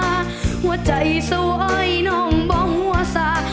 หัวใจเสวยน้องเบาหัวซา